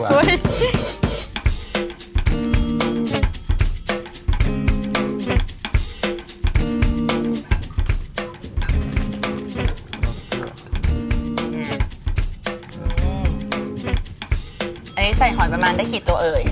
อืมอืมอืมอันนี้ใส่หอนประมาณได้กี่ตัวเอ๋ย